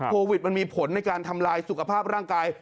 โควิดมันมีผลในการทำลายสุขภาพร่างกาย